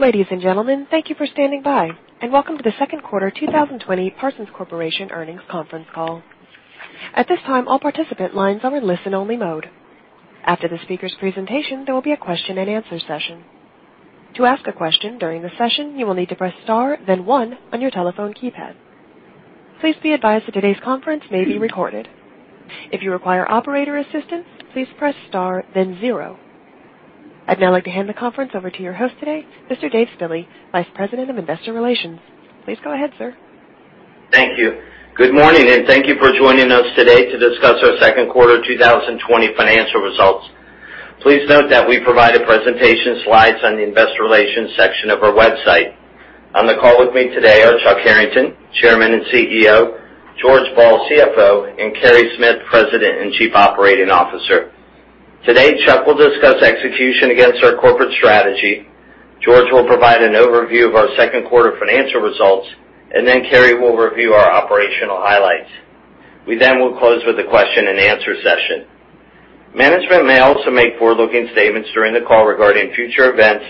Ladies and gentlemen, thank you for standing by and welcome to the second quarter 2020 Parsons Corporation earnings conference call. At this time, all participant lines are in listen only mode. After the speaker's presentation, there will be a question and answer session. To ask a question during the session, you will need to press star then one on your telephone keypad. Please be advised that today's conference may be recorded. If you require operator assistance, please press star then zero. I'd now like to hand the conference over to your host today, Mr. Dave Spille, Vice President of Investor Relations. Please go ahead, sir. Thank you. Good morning, and thank you for joining us today to discuss our second quarter 2020 financial results. Please note that we provide presentation slides on the investor relations section of our website. On the call with me today are Chuck Harrington, Chairman and CEO, George Ball, CFO, and Carey Smith, President and Chief Operating Officer. Today, Chuck will discuss execution against our corporate strategy, George will provide an overview of our second quarter financial results. Carey will review our operational highlights. We will close with a question and answer session. Management may also make forward-looking statements during the call regarding future events,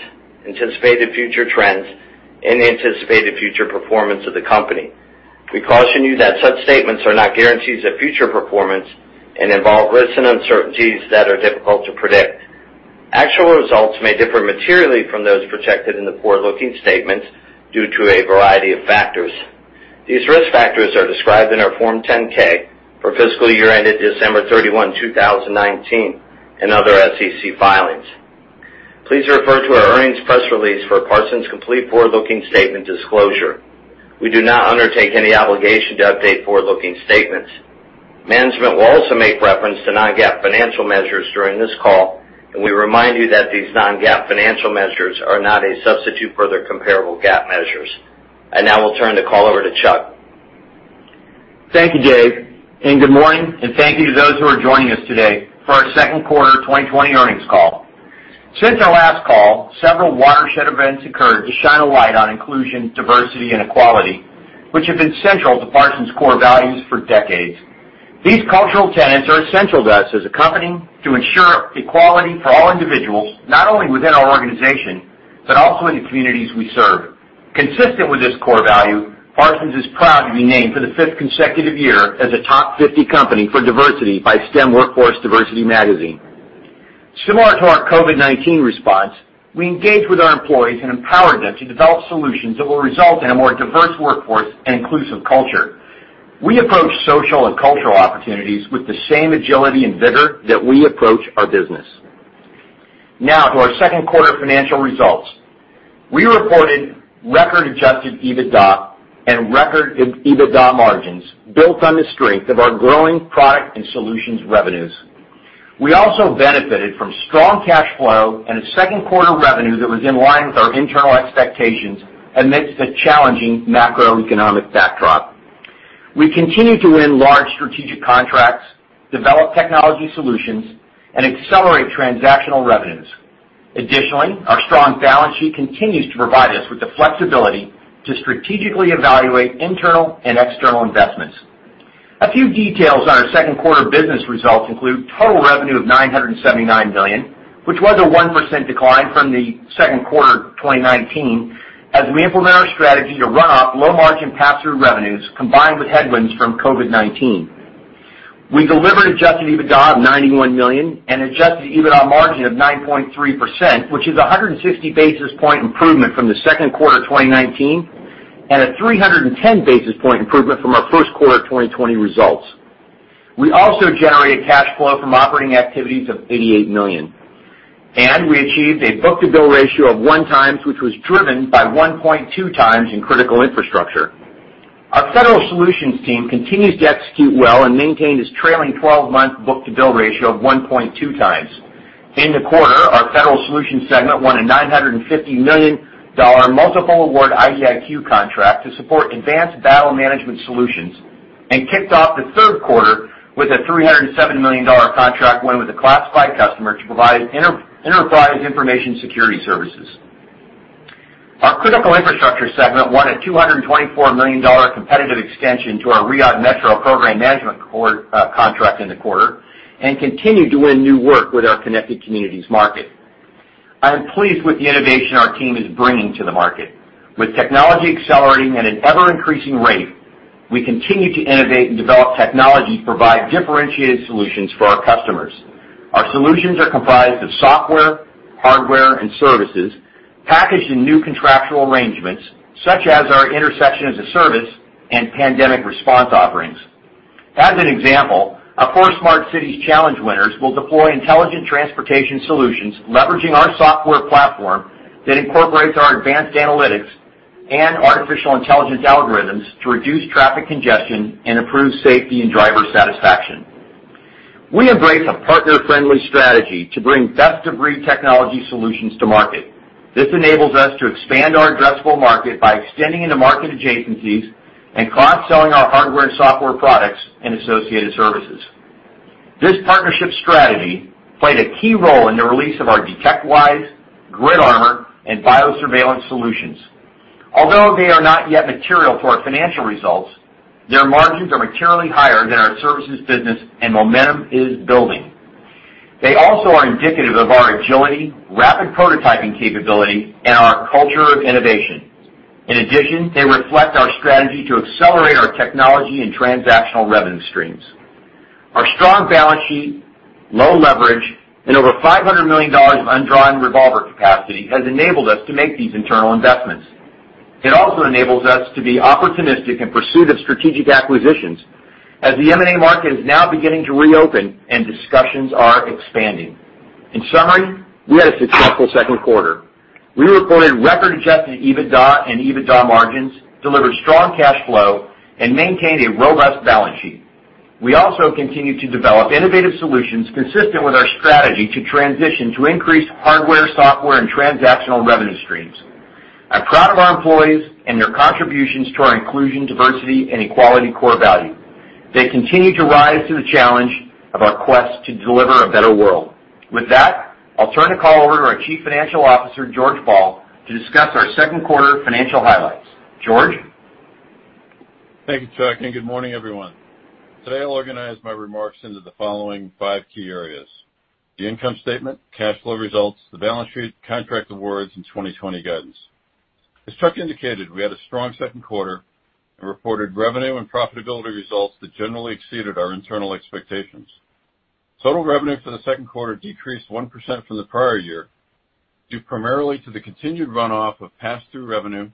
anticipated future trends, and anticipated future performance of the company. We caution you that such statements are not guarantees of future performance and involve risks and uncertainties that are difficult to predict. Actual results may differ materially from those projected in the forward-looking statements due to a variety of factors. These risk factors are described in our Form 10-K for fiscal year ended December 31, 2019, and other SEC filings. Please refer to our earnings press release for Parsons' complete forward-looking statement disclosure. We do not undertake any obligation to update forward-looking statements. Management will also make reference to non-GAAP financial measures during this call, and we remind you that these non-GAAP financial measures are not a substitute for their comparable GAAP measures. I now will turn the call over to Chuck. Thank you, Dave, and good morning, and thank you to those who are joining us today for our second quarter 2020 earnings call. Since our last call, several watershed events occurred to shine a light on inclusion, diversity, and equality, which have been central to Parsons core values for decades. These cultural tenets are essential to us as a company to ensure equality for all individuals, not only within our organization, but also in the communities we serve. Consistent with this core value, Parsons is proud to be named for the fifth consecutive year as a Top 50 company for diversity by STEM Workforce Diversity Magazine. Similar to our COVID-19 response, we engaged with our employees and empowered them to develop solutions that will result in a more diverse workforce and inclusive culture. We approach social and cultural opportunities with the same agility and vigor that we approach our business. Now to our second quarter financial results. We reported record Adjusted EBITDA and record EBITDA margins built on the strength of our growing product and solutions revenues. We also benefited from strong cash flow and a second quarter revenue that was in line with our internal expectations amidst a challenging macroeconomic backdrop. We continue to win large strategic contracts, develop technology solutions, and accelerate transactional revenues. Additionally, our strong balance sheet continues to provide us with the flexibility to strategically evaluate internal and external investments. A few details on our second quarter business results include total revenue of $979 million, which was a 1% decline from the second quarter of 2019, as we implement our strategy to run off low-margin pass-through revenues, combined with headwinds from COVID-19. We delivered Adjusted EBITDA of $91 million and Adjusted EBITDA margin of 9.3%, which is 160 basis points improvement from the second quarter of 2019 and a 310 basis points improvement from our first quarter 2020 results. We also generated cash flow from operating activities of $88 million, we achieved a book-to-bill ratio of 1x, which was driven by 1.2x in Critical Infrastructure. Our Federal Solutions team continues to execute well and maintain its trailing 12-month book-to-bill ratio of 1.2x. In the quarter, our Federal Solutions segment won a $950 million multiple award IDIQ contract to support Advanced Battle Management solutions and kicked off the third quarter with a $307 million contract won with a classified customer to provide enterprise information security services. Our Critical Infrastructure segment won a $224 million competitive extension to our Riyadh Metro program management contract in the quarter and continued to win new work with our connected communities market. I am pleased with the innovation our team is bringing to the market. With technology accelerating at an ever-increasing rate, we continue to innovate and develop technology to provide differentiated solutions for our customers. Our solutions are comprised of software, hardware, and services packaged in new contractual arrangements, such as our Intersection-as-a-Service and pandemic response offerings. As an example, our four Smart Cities Challenge winners will deploy intelligent transportation solutions leveraging our software platform that incorporates our advanced analytics and artificial intelligence algorithms to reduce traffic congestion and improve safety and driver satisfaction. We embrace a partner-friendly strategy to bring best-of-breed technology solutions to market. This enables us to expand our addressable market by extending into market adjacencies and cross-selling our hardware and software products and associated services. This partnership strategy played a key role in the release of our DetectWise, Grid Armor, and bio-surveillance solutions. Although they are not yet material to our financial results, their margins are materially higher than our services business and momentum is building. They also are indicative of our agility, rapid prototyping capability, and our culture of innovation. In addition, they reflect our strategy to accelerate our technology and transactional revenue streams. Our strong balance sheet, low leverage, and over $500 million of undrawn revolver capacity has enabled us to make these internal investments. It also enables us to be opportunistic in pursuit of strategic acquisitions as the M&A market is now beginning to reopen and discussions are expanding. In summary, we had a successful second quarter. We reported record-Adjusted EBITDA and EBITDA margins, delivered strong cash flow, and maintained a robust balance sheet. We also continued to develop innovative solutions consistent with our strategy to transition to increased hardware, software, and transactional revenue streams. I'm proud of our employees and their contributions to our inclusion, diversity, and equality core value. They continue to rise to the challenge of our quest to deliver a better world. With that, I'll turn the call over to our Chief Financial Officer, George Ball, to discuss our second quarter financial highlights. George? Thank you, Chuck, and good morning, everyone. Today, I'll organize my remarks into the following five key areas: the income statement, cash flow results, the balance sheet, contract awards, and 2020 guidance. As Chuck indicated, we had a strong second quarter and reported revenue and profitability results that generally exceeded our internal expectations. Total revenue for the second quarter decreased 1% from the prior year, due primarily to the continued runoff of pass-through revenue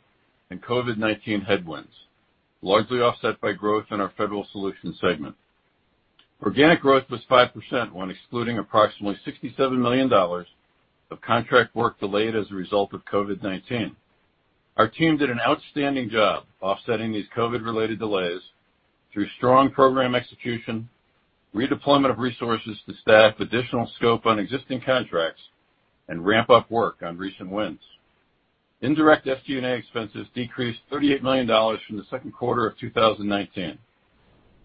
and COVID-19 headwinds, largely offset by growth in our Federal Solutions segment. Organic growth was 5% when excluding approximately $67 million of contract work delayed as a result of COVID-19. Our team did an outstanding job offsetting these COVID-related delays through strong program execution, redeployment of resources to staff additional scope on existing contracts, and ramp-up work on recent wins. Indirect SG&A expenses decreased $38 million from the second quarter of 2019.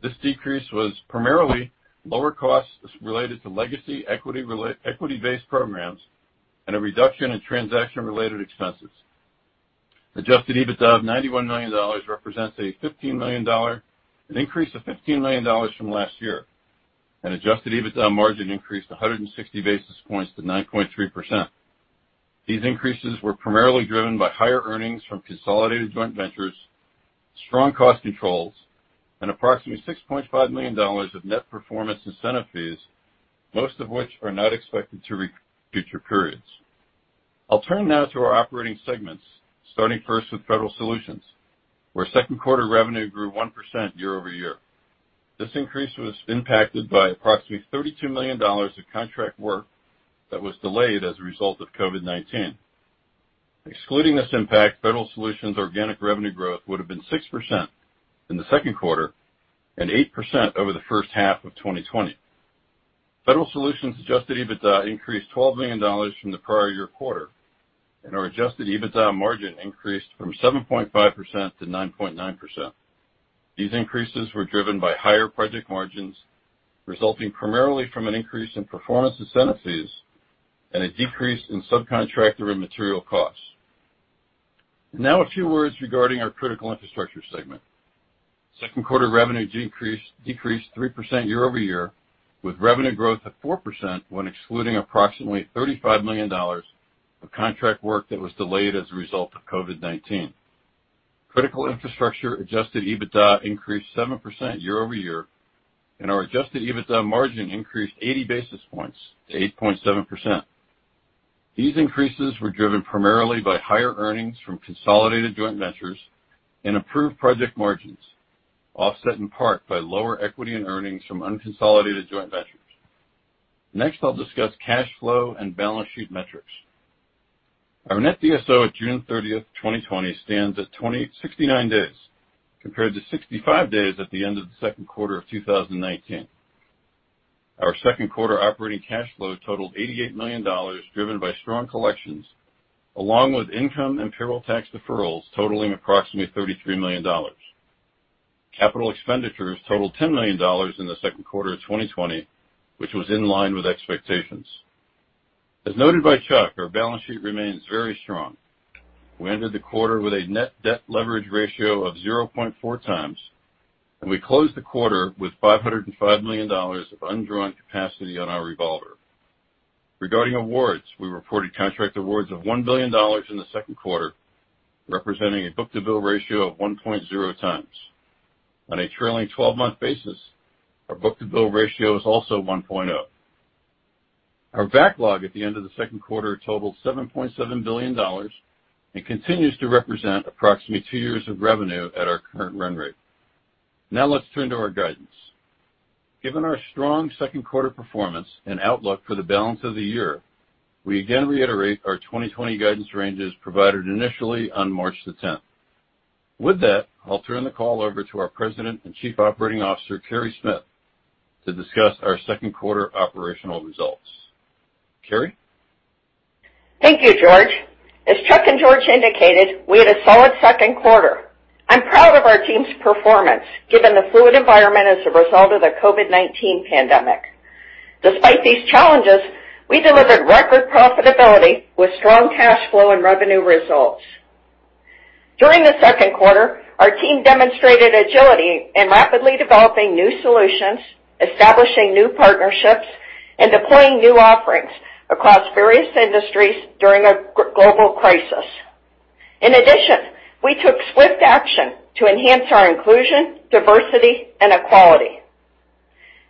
This decrease was primarily lower costs related to legacy equity-based programs and a reduction in transaction-related expenses. Adjusted EBITDA of $91 million represents an increase of $15 million from last year, and Adjusted EBITDA margin increased 160 basis points to 9.3%. These increases were primarily driven by higher earnings from consolidated joint ventures, strong cost controls, and approximately $6.5 million of net performance incentive fees, most of which are not expected to reoccur in future periods. I'll turn now to our operating segments, starting first with Federal Solutions, where second quarter revenue grew 1% year-over-year. This increase was impacted by approximately $32 million of contract work that was delayed as a result of COVID-19. Excluding this impact, Federal Solutions' organic revenue growth would have been 6% in the second quarter and 8% over the first half of 2020. Federal Solutions' Adjusted EBITDA increased $12 million from the prior year quarter. Our Adjusted EBITDA margin increased from 7.5% to 9.9%. These increases were driven by higher project margins, resulting primarily from an increase in performance incentive fees and a decrease in subcontractor and material costs. Now a few words regarding our Critical Infrastructure segment. Second quarter revenue decreased 3% year-over-year, with revenue growth of 4% when excluding approximately $35 million of contract work that was delayed as a result of COVID-19. Critical Infrastructure Adjusted EBITDA increased 7% year-over-year. Our Adjusted EBITDA margin increased 80 basis points to 8.7%. These increases were driven primarily by higher earnings from consolidated joint ventures and improved project margins, offset in part by lower equity in earnings from unconsolidated joint ventures. Next, I'll discuss cash flow and balance sheet metrics. Our net DSO at June 30th, 2020, stands at 69 days, compared to 65 days at the end of the second quarter of 2019. Our second quarter operating cash flow totaled $88 million, driven by strong collections, along with income and payroll tax deferrals totaling approximately $33 million. Capital expenditures totaled $10 million in the second quarter of 2020, which was in line with expectations. As noted by Chuck, our balance sheet remains very strong. We ended the quarter with a net debt leverage ratio of 0.4x, and we closed the quarter with $505 million of undrawn capacity on our revolver. Regarding awards, we reported contract awards of $1 billion in the second quarter, representing a book-to-bill ratio of 1.0x. On a trailing 12-month basis, our book-to-bill ratio is also 1.0x. Our backlog at the end of the second quarter totaled $7.7 billion and continues to represent approximately two years of revenue at our current run rate. Let's turn to our guidance. Given our strong second quarter performance and outlook for the balance of the year, we again reiterate our 2020 guidance ranges provided initially on March 10th. With that, I'll turn the call over to our President and Chief Operating Officer, Carey Smith, to discuss our second quarter operational results. Carey? Thank you, George. As Chuck and George indicated, we had a solid second quarter. I'm proud of our team's performance given the fluid environment as a result of the COVID-19 pandemic. Despite these challenges, we delivered record profitability with strong cash flow and revenue results. During the second quarter, our team demonstrated agility in rapidly developing new solutions, establishing new partnerships, and deploying new offerings across various industries during a global crisis. In addition, we took swift action to enhance our inclusion, diversity, and equality.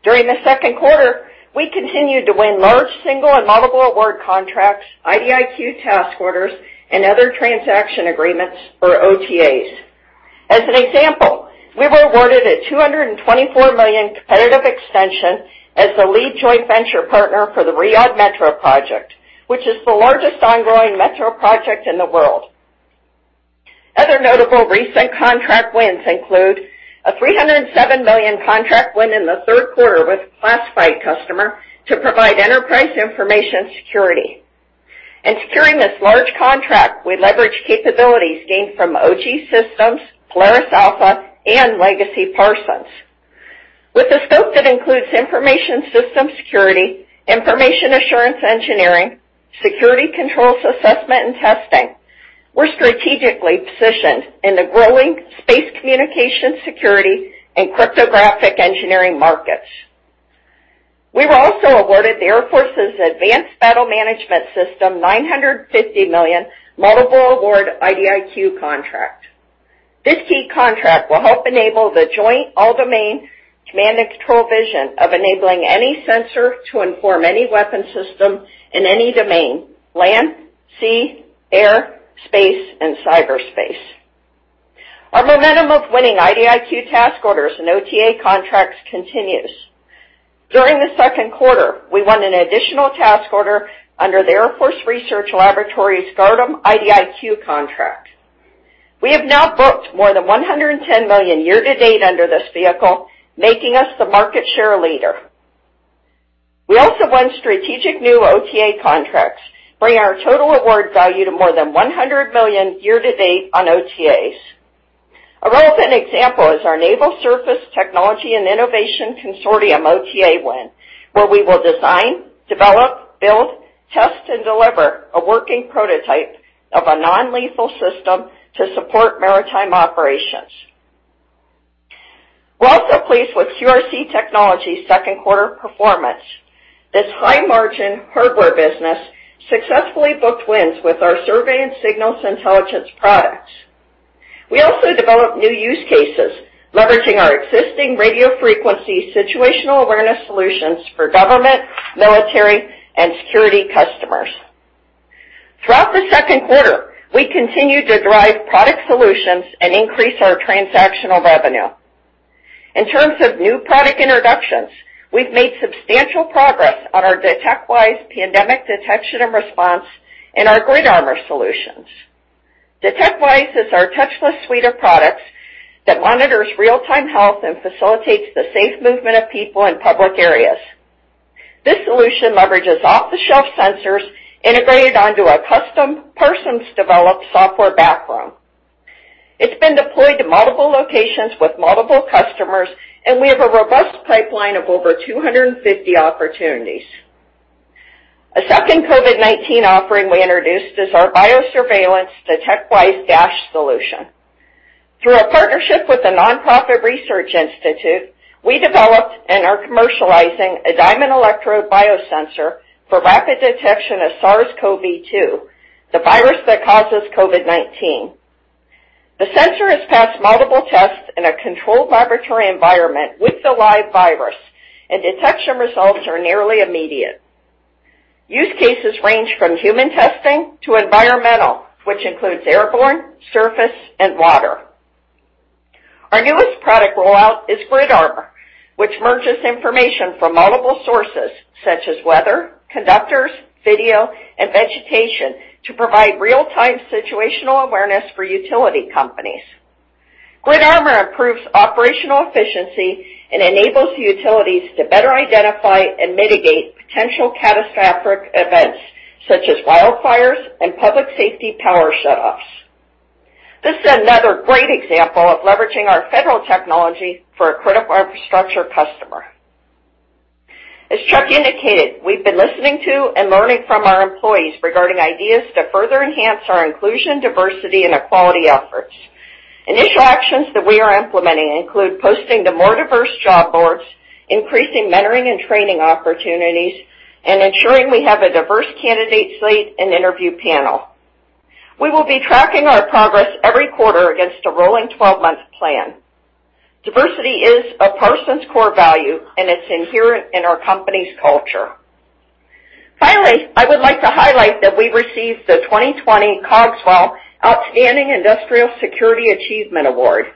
During the second quarter, we continued to win large single and multiple award contracts, IDIQ Task Orders, and Other Transaction Agreements or OTAs. As an example, we were awarded a $224 million competitive extension as the lead joint venture partner for the Riyadh Metro project, which is the largest ongoing metro project in the world. Other notable recent contract wins include a $307 million contract win in the third quarter with a classified customer to provide enterprise information security. In securing this large contract, we leveraged capabilities gained from OGSystems, Polaris Alpha, and Legacy Parsons. With a scope that includes information system security, information assurance engineering, security controls assessment and testing, we're strategically positioned in the growing space communication security and cryptographic engineering markets. We were also awarded the Air Force's Advanced Battle Management System $950 million multiple award IDIQ contract. This key contract will help enable the Joint All-Domain Command and Control vision of enabling any sensor to inform any weapon system in any domain, land, sea, air, space, and cyberspace. Our momentum of winning IDIQ task orders and OTA contracts continues. During the second quarter, we won an additional task order under the Air Force Research Laboratory's GARDEM IDIQ contract. We have now booked more than $110 million year to date under this vehicle, making us the market share leader. We also won strategic new OTA contracts, bringing our total award value to more than $100 million year-to-date on OTAs. A relevant example is our Naval Surface Technology & Innovation Consortium OTA win, where we will design, develop, build, test, and deliver a working prototype of a non-lethal system to support maritime operations. We're also pleased with QRC Technologies' second quarter performance. This high-margin hardware business successfully booked wins with our survey and signals intelligence products. We also developed new use cases leveraging our existing radio frequency situational awareness solutions for government, military, and security customers. Throughout the second quarter, we continued to drive product solutions and increase our transactional revenue. In terms of new product introductions, we've made substantial progress on our DetectWise pandemic detection and response and our Grid Armor solutions. DetectWise is our touchless suite of products that monitors real-time health and facilitates the safe movement of people in public areas. This solution leverages off-the-shelf sensors integrated onto a custom Parsons-developed software backbone. It's been deployed to multiple locations with multiple customers, and we have a robust pipeline of over 250 opportunities. A second COVID-19 offering we introduced is our bio-surveillance DetectWise DASH solution. Through a partnership with a nonprofit research institute, we developed and are commercializing a diamond electrode biosensor for rapid detection of SARS-CoV-2, the virus that causes COVID-19. The sensor has passed multiple tests in a controlled laboratory environment with the live virus, and detection results are nearly immediate. Use cases range from human testing to environmental, which includes airborne, surface, and water. Our newest product rollout is Grid Armor, which merges information from multiple sources such as weather, conductors, video, and vegetation to provide real-time situational awareness for utility companies. Grid Armor improves operational efficiency and enables utilities to better identify and mitigate potential catastrophic events such as wildfires and public safety power shutoffs. This is another great example of leveraging our federal technology for a Critical Infrastructure customer. As Chuck indicated, we've been listening to and learning from our employees regarding ideas to further enhance our inclusion, diversity, and equality efforts. Initial actions that we are implementing include posting to more diverse job boards, increasing mentoring and training opportunities, and ensuring we have a diverse candidate slate and interview panel. We will be tracking our progress every quarter against a rolling 12-month plan. Diversity is a Parsons core value, it's inherent in our company's culture. Finally, I would like to highlight that we received the 2020 Cogswell Outstanding Industrial Security Achievement Award.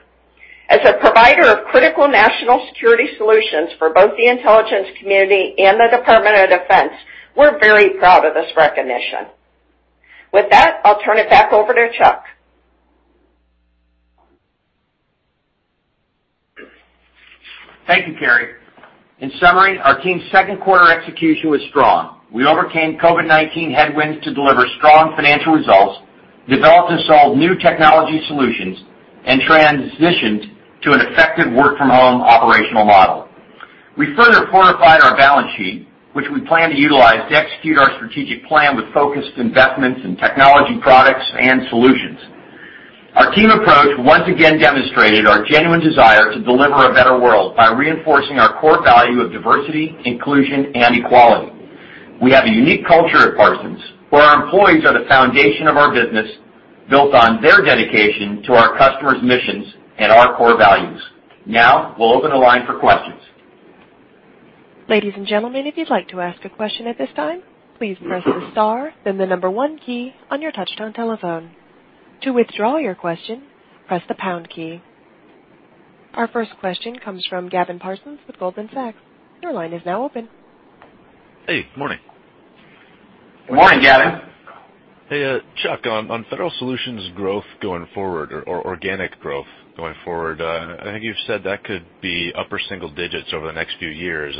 As a provider of critical national security solutions for both the intelligence community and the Department of Defense, we're very proud of this recognition. With that, I'll turn it back over to Chuck. Thank you, Carey. In summary, our team's second quarter execution was strong. We overcame COVID-19 headwinds to deliver strong financial results, developed and solved new technology solutions, and transitioned to an effective work-from-home operational model. We further fortified our balance sheet, which we plan to utilize to execute our strategic plan with focused investments in technology products and solutions. Our team approach once again demonstrated our genuine desire to deliver a better world by reinforcing our core value of diversity, inclusion, and equality. We have a unique culture at Parsons, where our employees are the foundation of our business, built on their dedication to our customers' missions and our core values. Now, we'll open the line for questions. Ladies and gentlemen, if you'd like to ask a question at this time, please press the star, then the number one key on your touch-tone telephone. To withdraw your question, press the pound key. Our first question comes from Gavin Parsons with Goldman Sachs. Your line is now open. Hey, morning. Morning, Gavin. Hey, Chuck, on Federal Solutions growth going forward or organic growth going forward, I think you've said that could be upper single-digits over the next few years.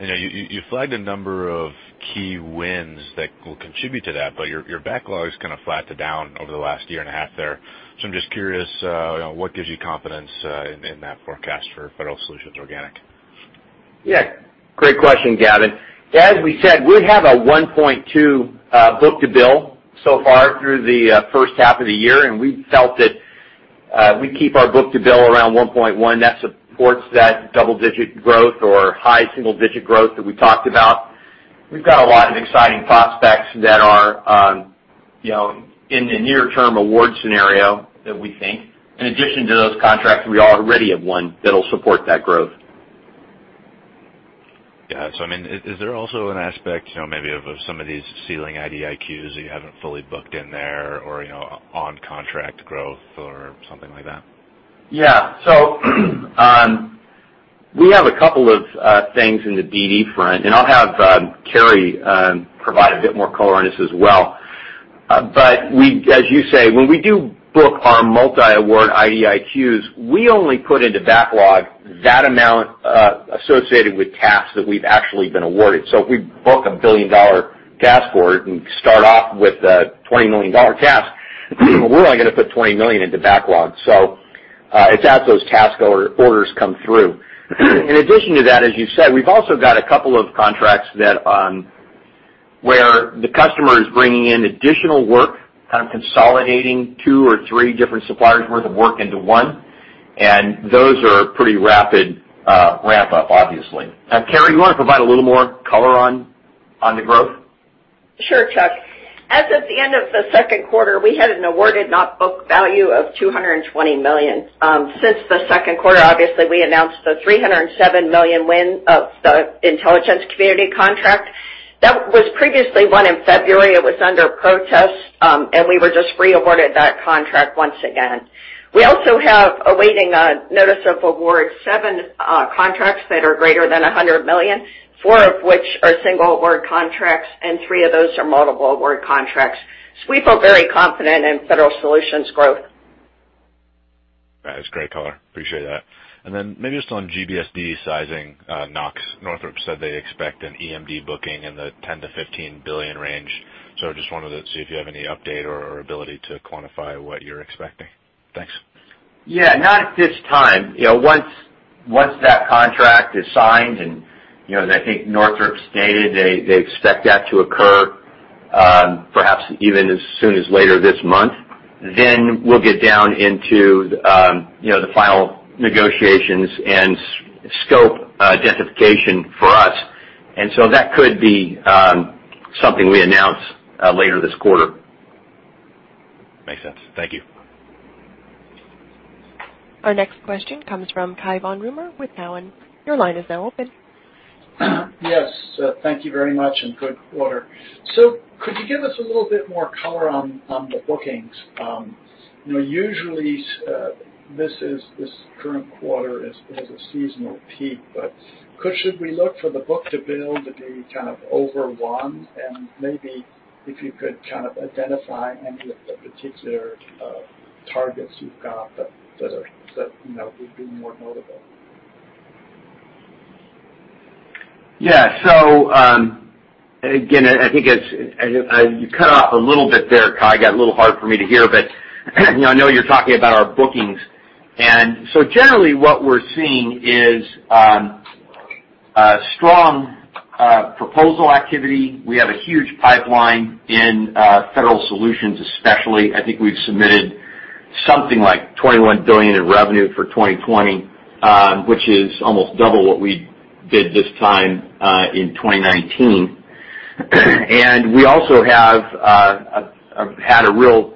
You flagged a number of key wins that will contribute to that, but your backlog's kind of flat to down over the last year and a half there. I'm just curious, what gives you confidence in that forecast for Federal Solutions organic? Great question, Gavin. As we said, we have a 1.2x book-to-bill so far through the first half of the year, and we felt that we keep our book-to-bill around 1.1x, that supports that double-digit growth or high single-digit growth that we talked about. We've got a lot of exciting prospects that are in the near-term award scenario that we think, in addition to those contracts we already have won that'll support that growth. Yeah. Is there also an aspect, maybe of some of these ceiling IDIQs that you haven't fully booked in there or, on-contract growth or something like that? Yeah. We have a couple of things in the [DD] front, and I'll have Carey provide a bit more color on this as well. As you say, when we do book our multi-award IDIQs, we only put into backlog that amount, associated with tasks that we've actually been awarded. If we book a $1 billion task order and start off with a $20 million task, we're only going to put $20 million into backlog. It's as those task orders come through. In addition to that, as you said, we've also got a couple of contracts where the customer is bringing in additional work, kind of consolidating two or three different suppliers' worth of work into one, and those are pretty rapid ramp-up, obviously. Carey, you want to provide a little more color on the growth? Sure. Chuck. As of the end of the second quarter, we had an awarded not booked value of $220 million. Since the second quarter, obviously, we announced the $307 million win of the intelligence community contract that was previously won in February. It was under protest, we were just re-awarded that contract once again. We also have awaiting a notice of award, seven contracts that are greater than $100 million, four of which are single-award contracts, and three of those are multiple-award contracts. We feel very confident in Federal Solutions' growth. That is great color. Appreciate that. Maybe just on GBSD sizing, [Knox], Northrop said they expect an EMD booking in the $10 billion-$15 billion range. Just wanted to see if you have any update or ability to quantify what you're expecting. Thanks. Yeah, not at this time. Once that contract is signed and, I think Northrop stated they expect that to occur, perhaps even as soon as later this month, then we'll get down into the final negotiations and scope identification for us. That could be something we announce later this quarter. Makes sense. Thank you. Our next question comes from Cai von Rumohr with Cowen. Your line is now open. Yes, thank you very much. Good quarter. Could you give us a little bit more color on the bookings? Usually, this current quarter has a seasonal peak. Should we look for the book-to-bill to be kind of over 1.0x? Maybe if you could kind of identify any of the particular targets you've got that would be more notable. Yeah. Again, I think you cut off a little bit there, Cai, got a little hard for me to hear, but I know you're talking about our bookings. Generally what we're seeing is strong proposal activity. We have a huge pipeline in Federal Solutions especially. I think we've submitted something like $21 billion in revenue for 2020, which is almost double what we did this time, in 2019. We also have had a real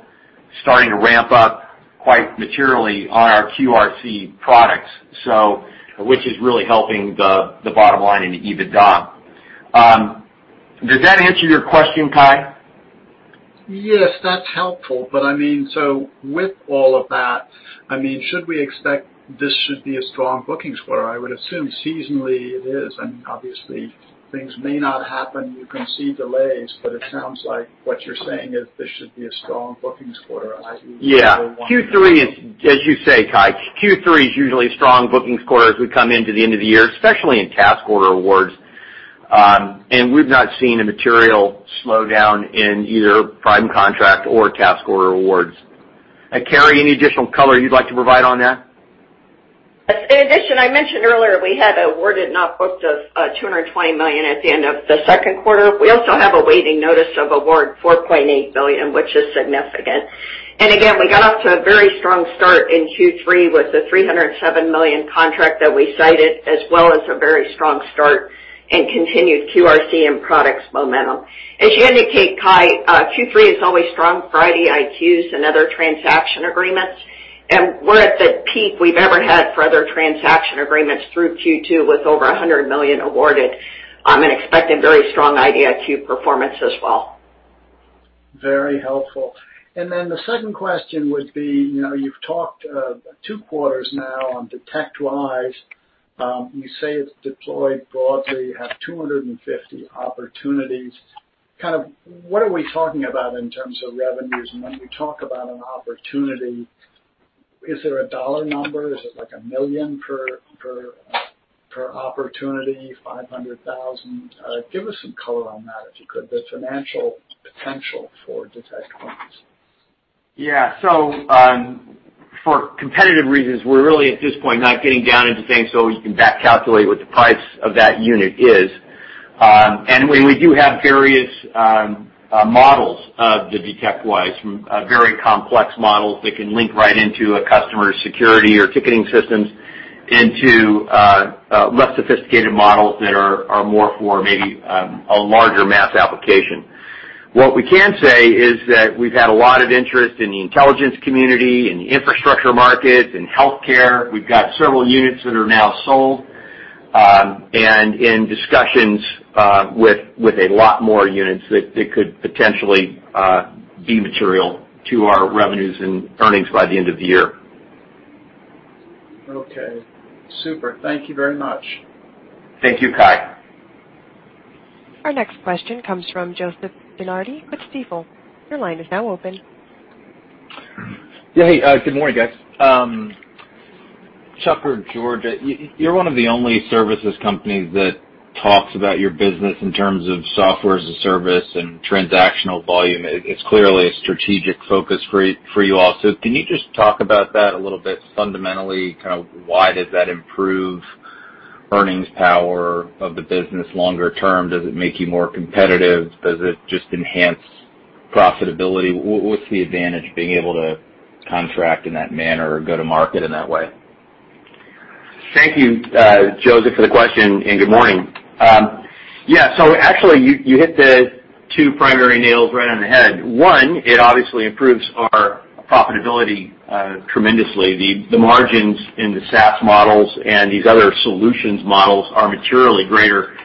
starting to ramp up quite materially on our QRC products, which is really helping the bottom line in the EBITDA. Did that answer your question, Cai? Yes, that's helpful. With all of that, should we expect this should be a strong bookings quarter? I would assume seasonally it is, and obviously things may not happen. You can see delays, but it sounds like what you're saying is this should be a strong bookings quarter. Yeah. Q3 is, as you say, Cai, Q3 is usually a strong bookings quarter as we come into the end of the year, especially in task order awards. We've not seen a material slowdown in either prime contract or task order awards. Carey, any additional color you'd like to provide on that? I mentioned earlier we had awarded and not booked $220 million at the end of the second quarter. We also have a waiting notice of award, $4.8 billion, which is significant. Again, we got off to a very strong start in Q3 with the $307 million contract that we cited, as well as a very strong start in continued QRC and products momentum. As you indicate, Cai, Q3 is always strong, IDIQs and other transaction agreements, and we're at the peak we've ever had for other transaction agreements through Q2 with over $100 million awarded and expecting very strong IDIQ performance as well. Very helpful. The second question would be, you've talked two quarters now on DetectWise. You say it's deployed broadly. You have 250 opportunities. What are we talking about in terms of revenues? When we talk about an opportunity, is there a dollar number? Is it like $1 million per opportunity? $500,000? Give us some color on that, if you could. The financial potential for DetectWise. Yeah. For competitive reasons, we're really, at this point, not getting down into saying so you can back calculate what the price of that unit is. We do have various models of the DetectWise, from very complex models that can link right into a customer's security or ticketing systems into less sophisticated models that are more for maybe a larger mass application. What we can say is that we've had a lot of interest in the intelligence community and the infrastructure market and healthcare. We've got several units that are now sold, and in discussions with a lot more units that could potentially be material to our revenues and earnings by the end of the year. Okay, super. Thank you very much. Thank you, Cai. Our next question comes from Joseph DeNardi with Stifel. Your line is now open. Yeah. Hey, good morning, guys. Chuck or George, you're one of the only services companies that talks about your business in terms of Software as a Service and transactional volume. It's clearly a strategic focus for you all. Can you just talk about that a little bit fundamentally, kind of why does that improve earnings power of the business longer term? Does it make you more competitive? Does it just enhance profitability? What's the advantage of being able to contract in that manner or go to market in that way? Thank you, Joseph, for the question. Good morning. Yeah. Actually, you hit the two primary nails right on the head. One, it obviously improves our profitability tremendously. The margins in the SaaS models and these other solutions models are materially greater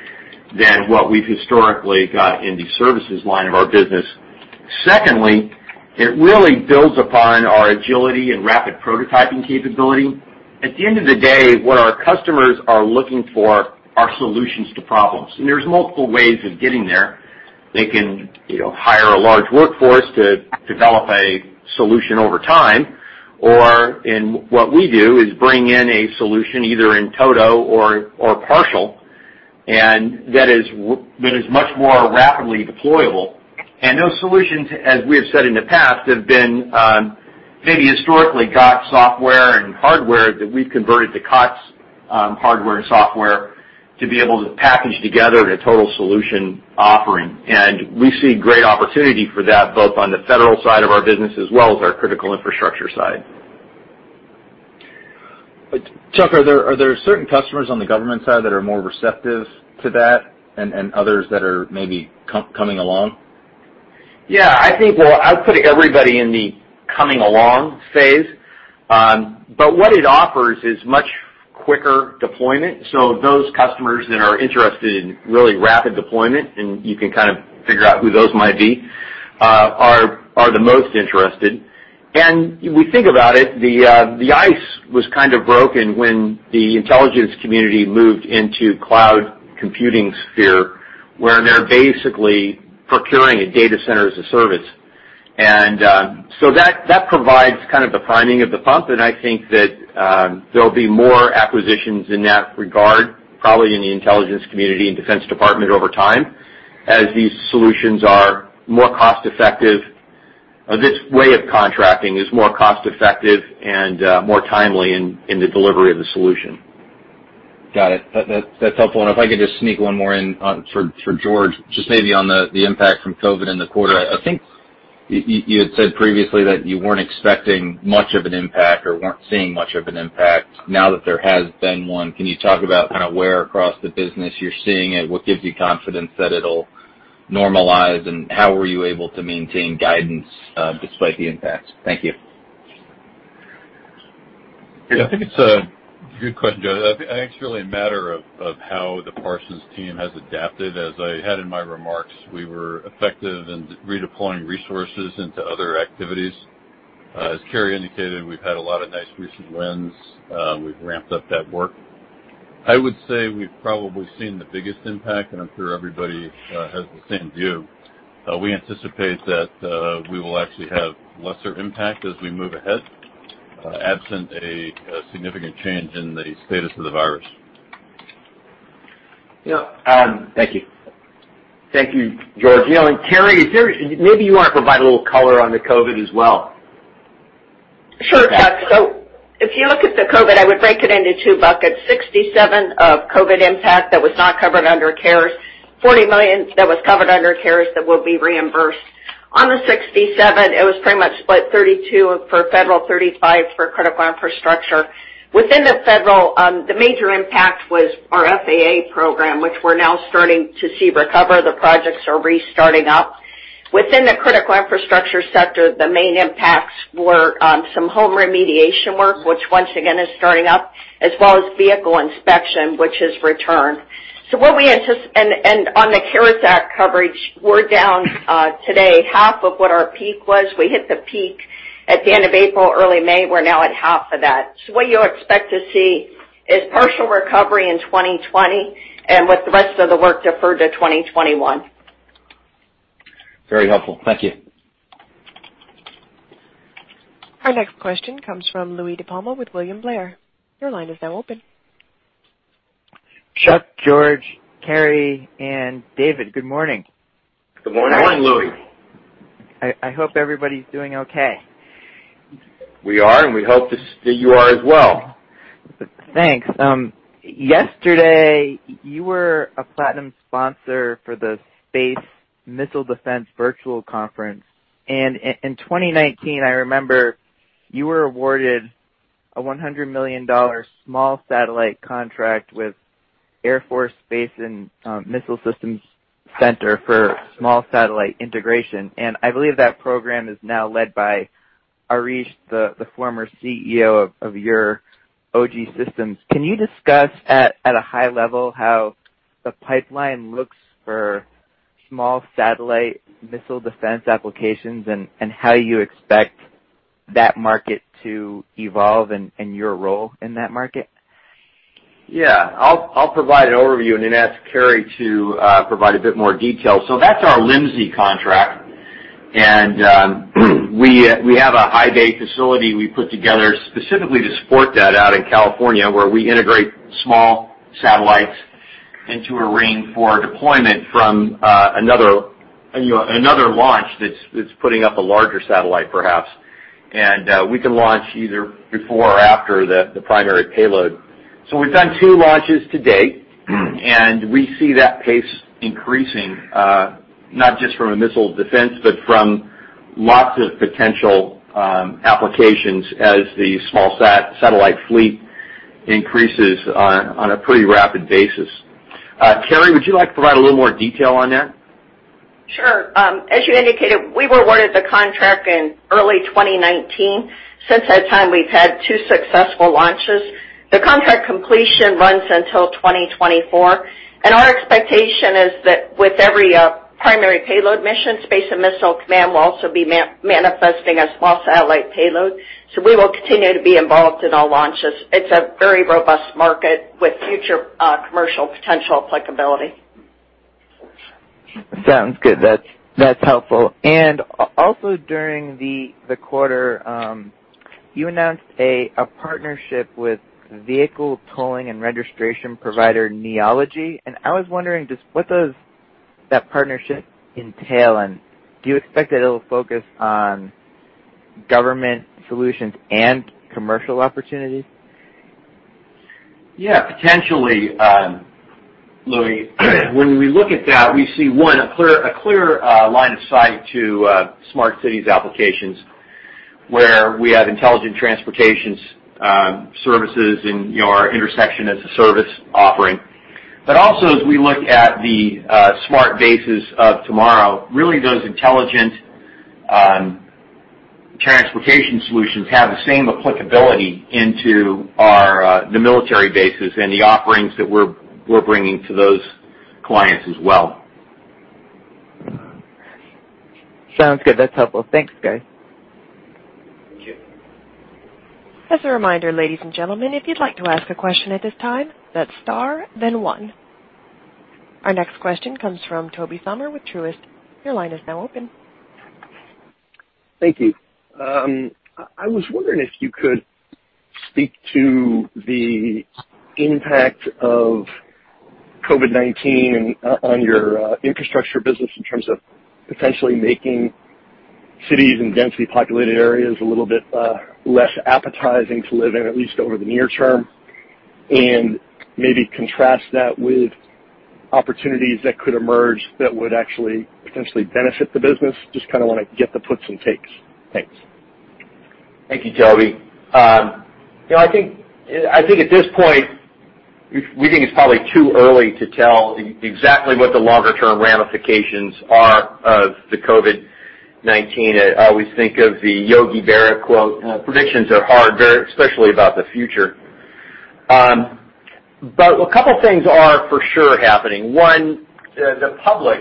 than what we've historically got in the services line of our business. Secondly, it really builds upon our agility and rapid prototyping capability. At the end of the day, what our customers are looking for are solutions to problems. There's multiple ways of getting there. They can hire a large workforce to develop a solution over time. What we do is bring in a solution either in toto or partial. That is much more rapidly deployable. Those solutions, as we have said in the past, have been maybe historically got software and hardware that we've converted to COTS hardware and software to be able to package together in a total solution offering. We see great opportunity for that, both on the federal side of our business as well as our Critical Infrastructure side. Chuck, are there certain customers on the government side that are more receptive to that and others that are maybe coming along? Yeah, I think, well, I'd put everybody in the coming along phase. What it offers is much quicker deployment, so those customers that are interested in really rapid deployment, and you can kind of figure out who those might be, are the most interested. We think about it, the ice was kind of broken when the intelligence community moved into cloud computing sphere, where they're basically procuring a data center as a service. That provides kind of the priming of the pump, and I think that there'll be more acquisitions in that regard, probably in the intelligence community and Defense Department over time, as these solutions are more cost effective. This way of contracting is more cost effective and more timely in the delivery of the solution. Got it. That's helpful. If I could just sneak one more in for George, just maybe on the impact from COVID in the quarter. I think you had said previously that you weren't expecting much of an impact or weren't seeing much of an impact. Now that there has been one, can you talk about kind of where across the business you're seeing it? What gives you confidence that it'll normalize, and how were you able to maintain guidance despite the impact? Thank you. Yeah. I think it's a good question, Joe. I think it's really a matter of how the Parsons team has adapted. As I had in my remarks, we were effective in redeploying resources into other activities. As Carey indicated, we've had a lot of nice recent wins. We've ramped up that work. I would say we've probably seen the biggest impact, and I'm sure everybody has the same view. We anticipate that we will actually have lesser impact as we move ahead absent a significant change in the status of the virus. Yeah. Thank you. Thank you, George. Carey, maybe you want to provide a little color on the COVID as well. Sure. If you look at the COVID, I would break it into two buckets, $67 million of COVID impact that was not covered under CARES, $40 million that was covered under CARES that will be reimbursed. On the $67 million, it was pretty much split $32 million for Federal, $35 million for Critical Infrastructure. Within the Federal, the major impact was our FAA program, which we're now starting to see recover. The projects are restarting up. Within the Critical Infrastructure sector, the main impacts were some home remediation work, which once again is starting up, as well as vehicle inspection, which has returned. On the CARES Act coverage, we're down today half of what our peak was. We hit the peak at the end of April, early May. We're now at half of that. What you'll expect to see is partial recovery in 2020 and with the rest of the work deferred to 2021. Very helpful. Thank you. Our next question comes from Louie DiPalma with William Blair. Chuck, George, Carey, and David, good morning. Good morning, Louie. I hope everybody's doing okay. We are, and we hope that you are as well. Thanks. Yesterday, you were a platinum sponsor for the Space and Missile Defense virtual conference. In 2019, I remember you were awarded a $100 million small satellite contract with Airforce, Space and Missile Systems Center for small satellite integration. I believe that program is now led by Aarish, the former CEO of your OGSystems. Can you discuss at a high level how the pipeline looks for small satellite missile defense applications and how you expect that market to evolve and your role in that market? Yeah. I'll provide an overview and then ask Carey to provide a bit more detail. That's our LMSI contract. We have a high bay facility we put together specifically to support that out in California, where we integrate small satellites into a ring for deployment from another launch that's putting up a larger satellite, perhaps. We can launch either before or after the primary payload. We've done two launches to date, and we see that pace increasing, not just from a missile defense, but from lots of potential applications as the small satellite fleet increases on a pretty rapid basis. Carey, would you like to provide a little more detail on that? Sure. As you indicated, we were awarded the contract in early 2019. Since that time, we've had two successful launches. The contract completion runs until 2024, and our expectation is that with every primary payload mission, Space and Missile Command will also be manifesting a small satellite payload. We will continue to be involved in all launches. It's a very robust market with future commercial potential applicability. Sounds good. That's helpful. Also during the quarter, you announced a partnership with vehicle tolling and registration provider, Neology. I was wondering, just what does that partnership entail, and do you expect that it'll focus on government solutions and commercial opportunities? Yeah. Potentially, Louie. When we look at that, we see, one, a clear line of sight to smart cities applications where we have intelligent transportation services in our intersection as a service offering. Also, as we look at the smart bases of tomorrow, really those intelligent transportation solutions have the same applicability into the military bases and the offerings that we're bringing to those clients as well. Sounds good. That's helpful. Thanks, guys. Thank you. As a reminder, ladies and gentlemen, if you'd like to ask a question at this time, that's star then one. Our next question comes from Tobey Sommer with Truist. Your line is now open. Thank you. I was wondering if you could speak to the impact of COVID-19 on your infrastructure business in terms of potentially making cities and densely populated areas a little bit less appetizing to live in, at least over the near term, and maybe contrast that with opportunities that could emerge that would actually potentially benefit the business? Just kind of want to get the puts and takes. Thanks. Thank you, Tobey. I think at this point, we think it's probably too early to tell exactly what the longer-term ramifications are of the COVID-19. I always think of the Yogi Berra quote, "Predictions are hard, especially about the future." A couple of things are for sure happening. One, the public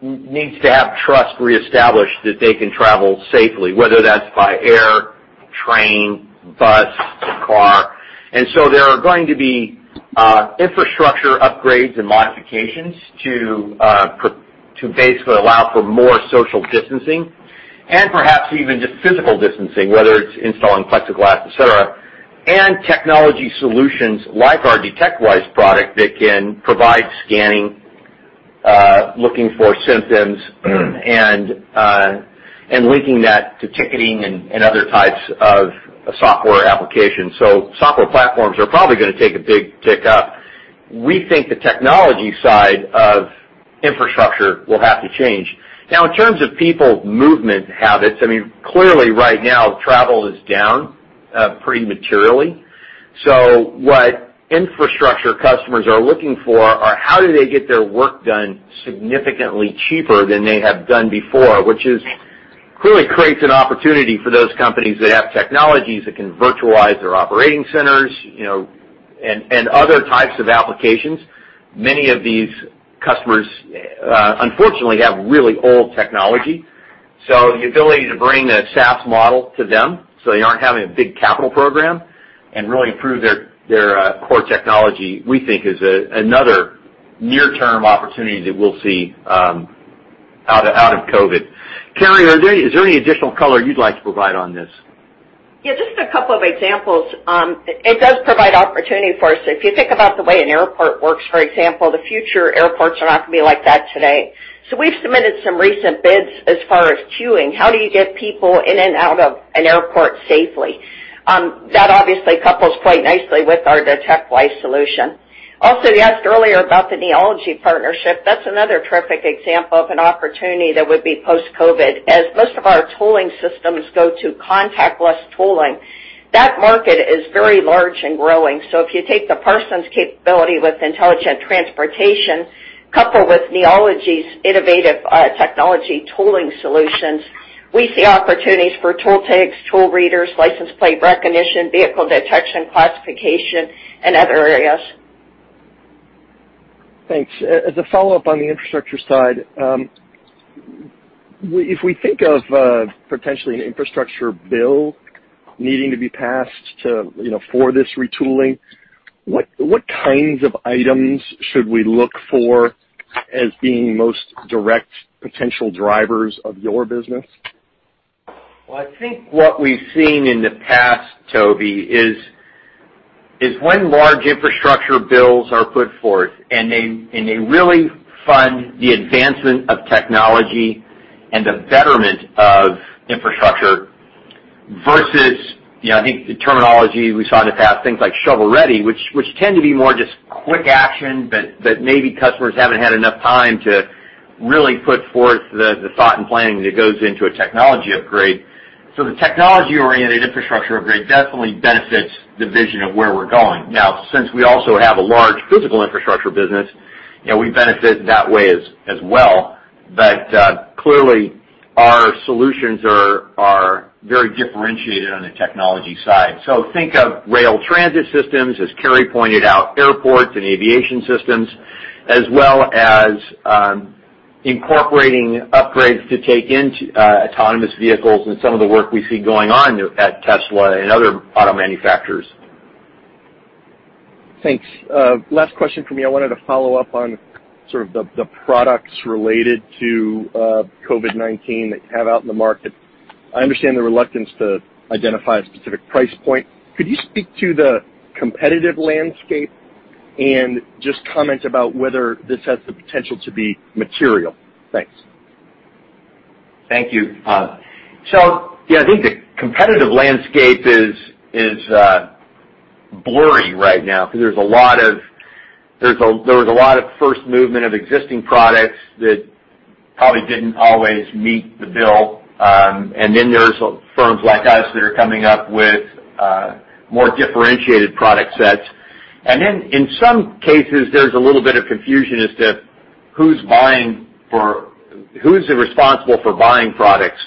needs to have trust reestablished that they can travel safely, whether that's by air, train, bus, car. There are going to be infrastructure upgrades and modifications to basically allow for more social distancing and perhaps even just physical distancing, whether it's installing plexiglass, et cetera, and technology solutions like our DetectWise product that can provide scanning, looking for symptoms, and linking that to ticketing and other types of software applications. Software platforms are probably going to take a big tick-up. We think the technology side of infrastructure will have to change. In terms of people movement habits, clearly right now, travel is down pretty materially. What infrastructure customers are looking for are how do they get their work done significantly cheaper than they have done before, which clearly creates an opportunity for those companies that have technologies that can virtualize their operating centers, and other types of applications. Many of these customers, unfortunately, have really old technology. The ability to bring a SaaS model to them so they aren't having a big capital program and really improve their core technology, we think is another near-term opportunity that we'll see out of COVID-19. Carey, is there any additional color you'd like to provide on this? Yeah, just a couple of examples. It does provide opportunity for us. If you think about the way an airport works, for example, the future airports are not going to be like that today. We've submitted some recent bids as far as queuing. How do you get people in and out of an airport safely? That obviously couples quite nicely with our DetectWise solution. Also, you asked earlier about the Neology partnership. That's another terrific example of an opportunity that would be post-COVID. As most of our tolling systems go to contactless tolling, that market is very large and growing. If you take the Parsons capability with intelligent transportation, coupled with Neology's innovative technology tolling solutions, we see opportunities for toll tags, toll readers, license plate recognition, vehicle detection classification, and other areas. Thanks. As a follow-up on the infrastructure side, if we think of potentially an infrastructure bill needing to be passed for this retooling, what kinds of items should we look for as being most direct potential drivers of your business? Well, I think what we've seen in the past, Tobey, is when large infrastructure bills are put forth and they really fund the advancement of technology and the betterment of infrastructure versus, I think the terminology we saw in the past, things like shovel-ready, which tend to be more just quick action, but that maybe customers haven't had enough time to really put forth the thought and planning that goes into a technology upgrade. The technology-oriented infrastructure upgrade definitely benefits the vision of where we're going. Now, since we also have a large physical infrastructure business, we benefit that way as well. Clearly, our solutions are very differentiated on the technology side. Think of rail transit systems, as Carey pointed out, airports and aviation systems, as well as incorporating upgrades to take in autonomous vehicles and some of the work we see going on at Tesla and other auto manufacturers. Thanks. Last question from me, I wanted to follow up on sort of the products related to COVID-19 that you have out in the market. I understand the reluctance to identify a specific price point. Could you speak to the competitive landscape and just comment about whether this has the potential to be material? Thanks. Thank you. Yeah, I think the competitive landscape is blurry right now because there was a lot of first movement of existing products that probably didn't always meet the bill. There's firms like us that are coming up with more differentiated product sets. In some cases, there's a little bit of confusion as to who's responsible for buying products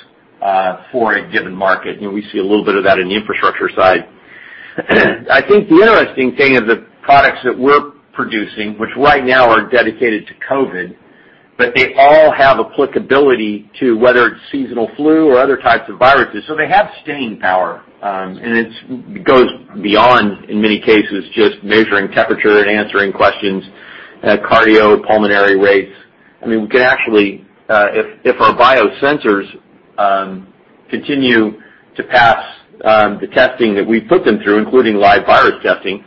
for a given market, and we see a little bit of that in the infrastructure side. I think the interesting thing of the products that we're producing, which right now are dedicated to COVID-19, but they all have applicability to whether it's seasonal flu or other types of viruses. They have staying power, and it goes beyond, in many cases, just measuring temperature and answering questions, cardiopulmonary rates. We can actually, if our biosensors continue to pass the testing that we put them through, including live virus testing,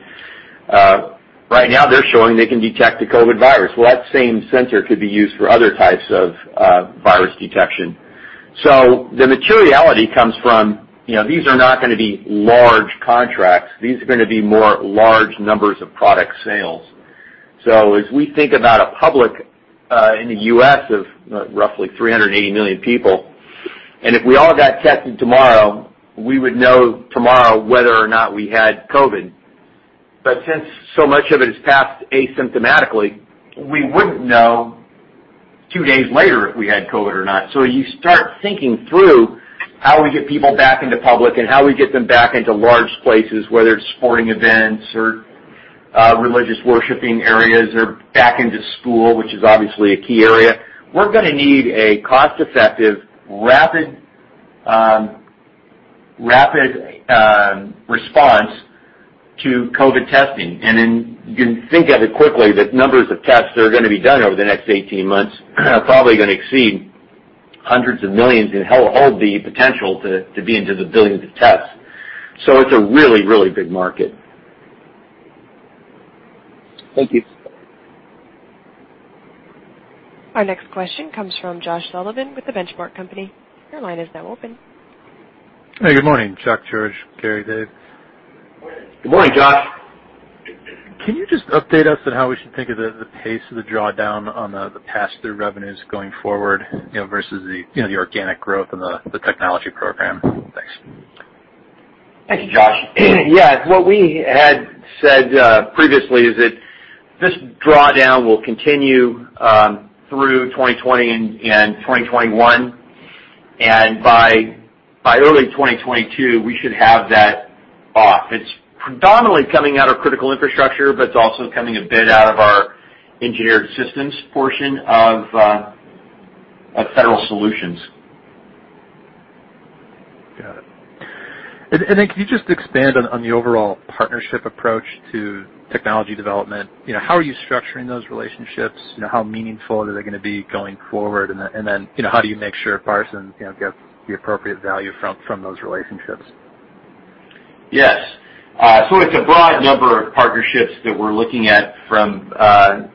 right now they're showing they can detect the COVID virus. Well, that same sensor could be used for other types of virus detection. The materiality comes from, these are not going to be large contracts. These are going to be more large numbers of product sales. As we think about a public in the U.S. of roughly 380 million people, and if we all got tested tomorrow, we would know tomorrow whether or not we had COVID. Since so much of it is passed asymptomatically, we wouldn't know two days later if we had COVID or not. You start thinking through how we get people back into public and how we get them back into large places, whether it's sporting events or religious worshiping areas or back into school, which is obviously a key area, we're going to need a cost-effective, rapid response to COVID testing. You can think of it quickly that numbers of tests that are going to be done over the next 18 months are probably going to exceed hundreds of millions and hold the potential to be into the billions of tests. It's a really, really big market. Thank you. Our next question comes from Josh Sullivan with The Benchmark Company. Your line is now open. Hey, good morning, Chuck, George, Carey, Dave. Good morning, Josh. Can you just update us on how we should think of the pace of the drawdown on the pass-through revenues going forward, versus the organic growth and the technology program? Thanks. Thank you, Josh. Yeah. What we had said previously is that this drawdown will continue through 2020 and 2021, and by early 2022, we should have that off. It's predominantly coming out of Critical Infrastructure, but it's also coming a bit out of our engineered systems portion of Federal Solutions. Got it. Could you just expand on the overall partnership approach to technology development? How are you structuring those relationships? How meaningful are they going to be going forward? How do you make sure Parsons gets the appropriate value from those relationships? Yes. It's a broad number of partnerships that we're looking at from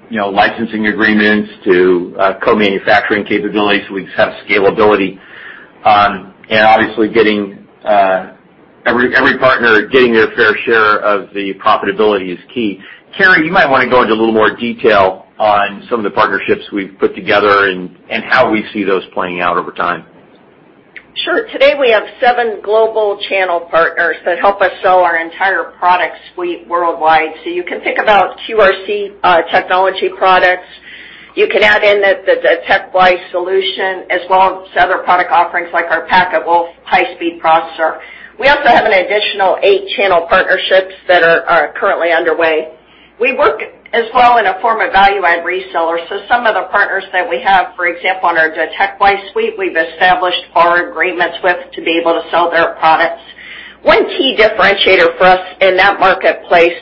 licensing agreements to co-manufacturing capabilities so we can have scalability. Obviously, every partner getting their fair share of the profitability is key. Carey, you might want to go into a little more detail on some of the partnerships we've put together and how we see those playing out over time. Sure. Today, we have seven global channel partners that help us sell our entire product suite worldwide. You can think about QRC technology products. You can add in the DetectWise solution as well as other product offerings like our PacketWolf high-speed processor. We also have an additional eight channel partnerships that are currently underway. We work as well in a form of value-add resellers, so some of the partners that we have, for example, on our DetectWise suite, we've established forward agreements with to be able to sell their products. One key differentiator for us in that marketplace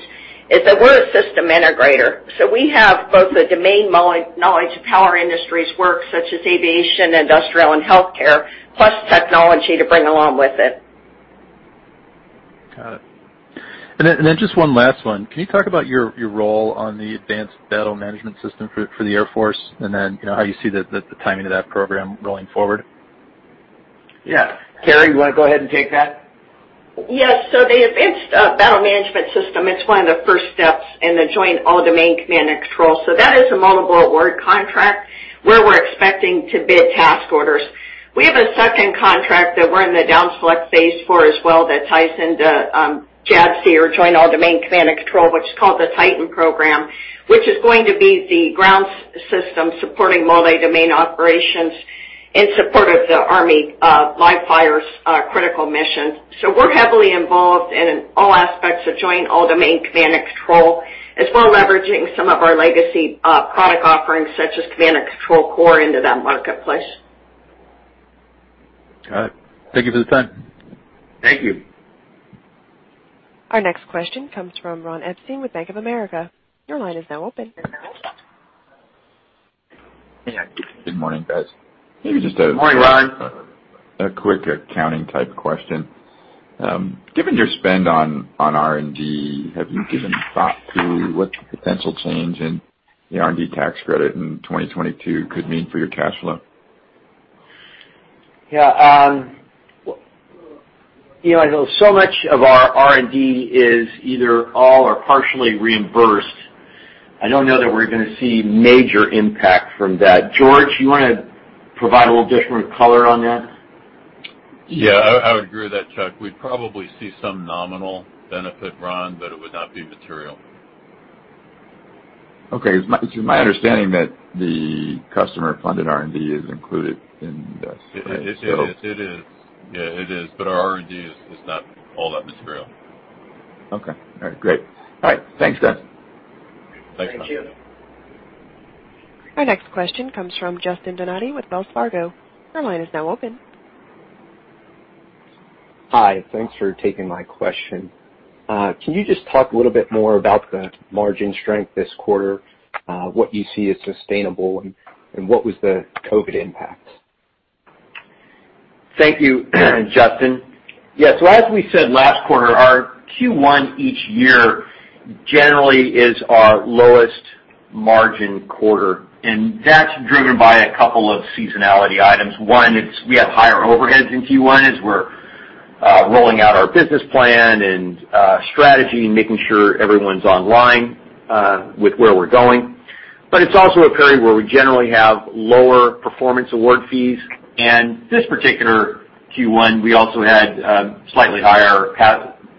is that we're a system integrator. We have both the domain knowledge of how our industries work, such as aviation, industrial, and healthcare, plus technology to bring along with it. Got it. Just one last one. Can you talk about your role on the Advanced Battle Management System for the Air Force, and then how you see the timing of that program going forward? Yeah. Carey, you want to go ahead and take that? Yes. The Advanced Battle Management System, it's one of the first steps in the Joint All-Domain Command and Control. That is a multiple award contract where we're expecting to bid task orders. We have a second contract that we're in the down-select phase for as well, that ties into JADC2 or Joint All-Domain Command and Control, which is called the TITAN program, which is going to be the ground system supporting multi-domain operations in support of the Army live fires critical mission. We're heavily involved in all aspects of Joint All-Domain Command and Control, as well as leveraging some of our legacy product offerings, such as Command and Control Core, into that marketplace. Got it. Thank you for the time. Thank you. Our next question comes from Ron Epstein with Bank of America. Hey. Good morning, guys. Morning, Ron. A quick accounting type question. Given your spend on R&D, have you given thought to what the potential change in the R&D tax credit in 2022 could mean for your cash flow? Yeah. Much of our R&D is either all or partially reimbursed. I don't know that we're going to see a major impact from that. George, you want to provide a little different color on that? Yeah, I would agree with that, Chuck. We'd probably see some nominal benefit, Ron, but it would not be material. Okay. It's my understanding that the customer-funded R&D is included in this. It is. Yeah, it is, but our R&D is not all that material. Okay. All right, great. All right. Thanks, then. Thanks, Ron. Thank you. Our next question comes from Justin Donati with Wells Fargo. Your line is now open. Hi. Thanks for taking my question. Can you just talk a little bit more about the margin strength this quarter, what you see as sustainable, and what was the COVID-19 impact? Thank you, Justin. As we said last quarter, our Q1 each year generally is our lowest margin quarter, and that's driven by a couple of seasonality items. One is we have higher overhead in Q1 as we're rolling out our business plan and strategy and making sure everyone's online with where we're going. It's also a period where we generally have lower performance award fees. This particular Q1, we also had slightly higher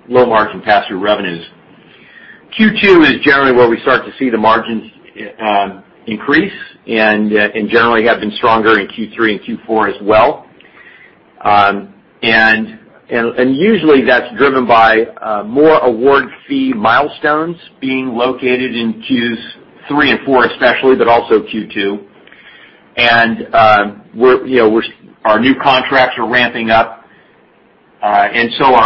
low margin pass-through revenues. Q2 is generally where we start to see the margins increase and generally have been stronger in Q3 and Q4 as well. Usually that's driven by more award fee milestones being located in Q3 and Q4 especially, but also Q2. Our new contracts are ramping up, our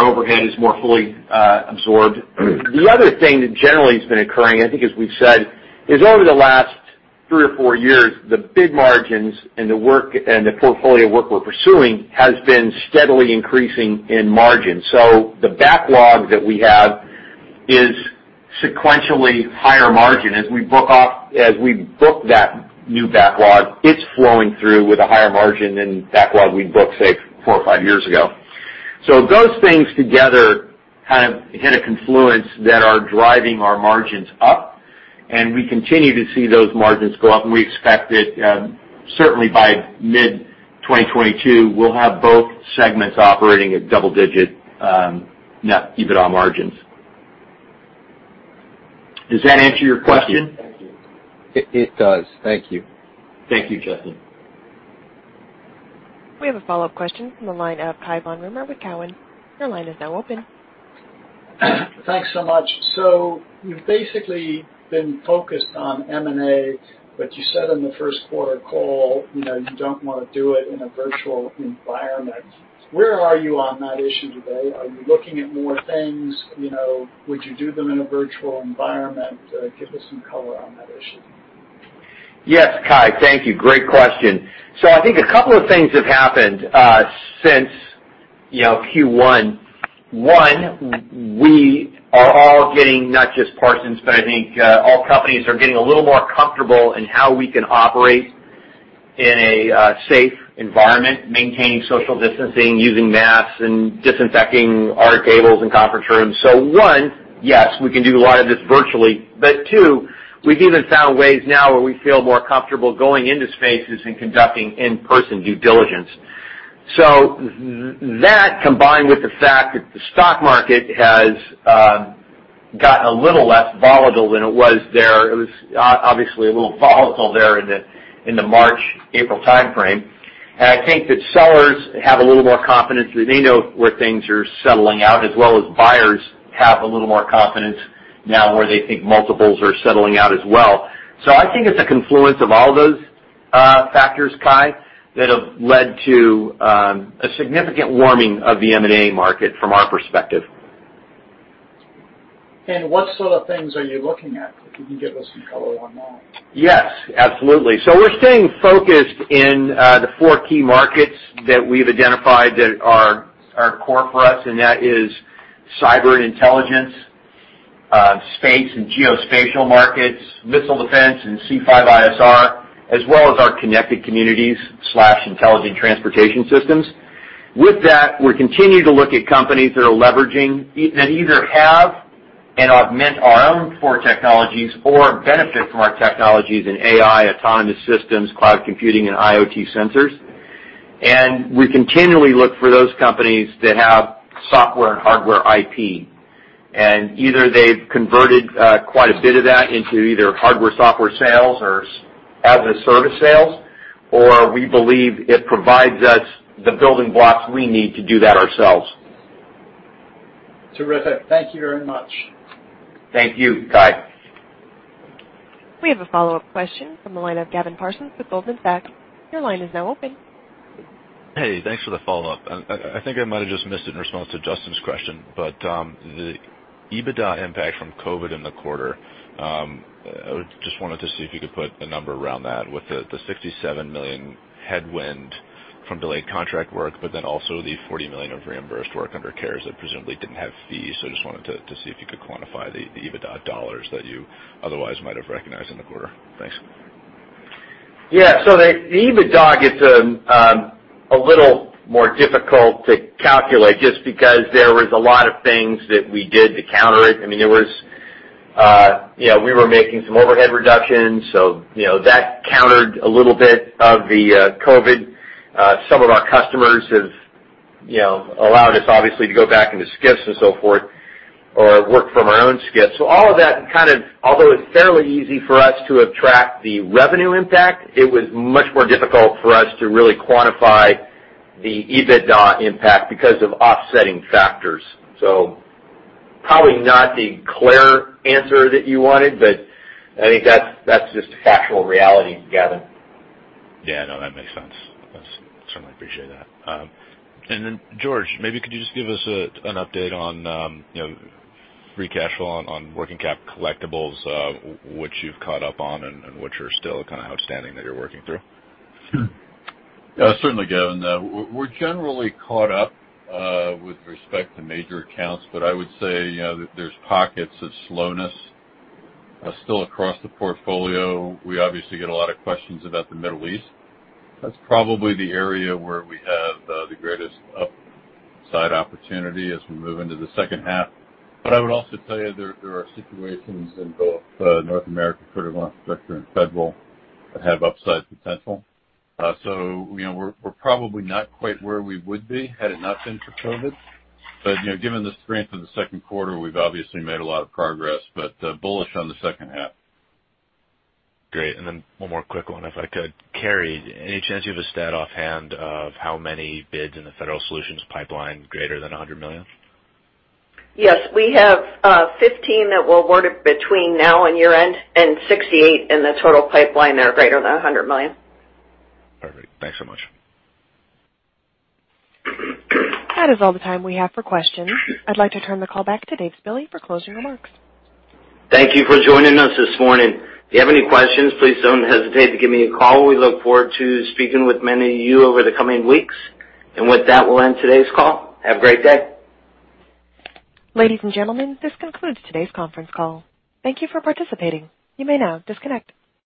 overhead is more fully absorbed. The other thing that generally has been occurring, I think as we've said, is over the last three or four years, the big margins and the portfolio of work we're pursuing has been steadily increasing in margin. The backlog that we have is sequentially higher margin. As we book that new backlog, it's flowing through with a higher margin than backlog we'd book, say, four or five years ago. Those things together kind of hit a confluence that are driving our margins up, and we continue to see those margins go up. We expect that certainly by mid-2022, we'll have both segments operating at double-digit net EBITDA margins. Does that answer your question? Thank you. It does. Thank you. Thank you, Justin. We have a follow-up question from the line of Cai von Rumohr with Cowen. Your line is now open. Thanks so much. You've basically been focused on M&A, but you said on the first quarter call you don't want to do it in a virtual environment. Where are you on that issue today? Are you looking at more things? Would you do them in a virtual environment? Give us some color on that issue. Yes, Cai. Thank you. Great question. I think a couple of things have happened since Q1. One, we are all getting, not just Parsons, but I think all companies are getting a little more comfortable in how we can operate in a safe environment, maintaining social distancing, using masks, and disinfecting our tables and conference rooms. One, yes, we can do a lot of this virtually, but two, we've even found ways now where we feel more comfortable going into spaces and conducting in-person due diligence. That combined with the fact that the stock market has gotten a little less volatile than it was there. It was obviously a little volatile there in the March, April timeframe. I think that sellers have a little more confidence that they know where things are settling out as well as buyers have a little more confidence now where they think multiples are settling out as well. I think it's a confluence of all those factors, Cai, that have led to a significant warming of the M&A market from our perspective. What sort of things are you looking at, if you can give us some color on that? Yes, absolutely. We're staying focused in the four key markets that we've identified that are core for us, and that is cyber intelligence, space and geospatial markets, missile defense and C5ISR, as well as our connected communities/intelligent transportation systems. With that, we continue to look at companies that are leveraging, that either have and augment our own core technologies or benefit from our technologies in AI, autonomous systems, cloud computing, and IoT sensors. We continually look for those companies that have software and hardware IP, and either they've converted quite a bit of that into either hardware-software sales or as-a-service sales, or we believe it provides us the building blocks we need to do that ourselves. Terrific. Thank you very much. Thank you, Cai. We have a follow-up question from the line of Gavin Parsons with Goldman Sachs. Your line is now open. Hey, thanks for the follow-up. I think I might have just missed it in response to Justin's question, but the EBITDA impact from COVID in the quarter, I just wanted to see if you could put a number around that with the $67 million headwind from delayed contract work, but then also the $40 million of reimbursed work under CARES that presumably didn't have fees. I just wanted to see if you could quantify the EBITDA dollars that you otherwise might have recognized in the quarter. Thanks. Yeah. The EBITDA gets a little more difficult to calculate just because there was a lot of things that we did to counter it. We were making some overhead reductions, that countered a little bit of the COVID. Some of our customers have allowed us obviously to go back into SCIFs and so forth, or work from our own SCIFs. All of that kind of, although it's fairly easy for us to track the revenue impact, it was much more difficult for us to really quantify the EBITDA impact because of offsetting factors. Probably not the clear answer that you wanted, but I think that's just factual reality, Gavin. Yeah, no, that makes sense. I certainly appreciate that. George, maybe could you just give us an update on free cash flow on working cap collectibles, which you've caught up on and which are still kind of outstanding that you're working through? Yeah, certainly, Gavin. We're generally caught up with respect to major accounts, I would say there's pockets of slowness still across the portfolio. We obviously get a lot of questions about the Middle East. That's probably the area where we have the greatest upside opportunity as we move into the second half. I would also tell you there are situations in both North America [Critical Infrastructure] and Federal that have upside potential. We're probably not quite where we would be had it not been for COVID, but given the strength of the second quarter, we've obviously made a lot of progress, but bullish on the second half. Great. Then one more quick one, if I could. Carey, any chance you have a stat offhand of how many bids in the Federal Solutions pipeline greater than $100 million? Yes. We have 15 that we'll award between now and year-end, and 68 in the total pipeline that are greater than $100 million. Perfect. Thanks so much. That is all the time we have for questions. I'd like to turn the call back to Dave Spille for closing remarks. Thank you for joining us this morning. If you have any questions, please don't hesitate to give me a call. We look forward to speaking with many of you over the coming weeks. With that, we'll end today's call. Have a great day. Ladies and gentlemen, this concludes today's conference call. Thank you for participating. You may now disconnect.